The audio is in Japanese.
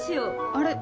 あれ？